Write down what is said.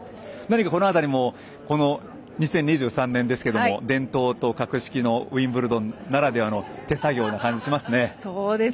この辺りも２０２３年ですが伝統と格式のウィンブルドンならではの手作業な感じがしますね。